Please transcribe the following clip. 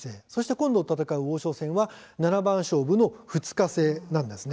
今度、戦う王将戦は七番勝負の２日制です。